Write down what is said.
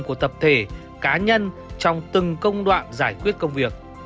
của tập thể cá nhân trong từng công đoạn giải quyết công việc